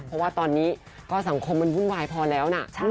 เพราะว่าตอนนี้ก็สังคมมันวุ่นวายพอแล้วนะ